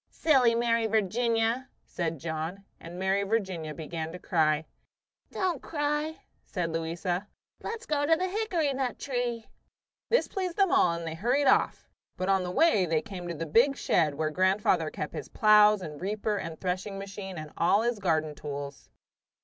"Silly Mary Virginia!" said John, and Mary Virginia began to cry. "Don't cry," said Louisa. "Let's go to the hickory nut tree." This pleased them all, and they hurried off; but on the way they came to the big shed where grandfather kept his plows and reaper and threshing machine and all his garden tools.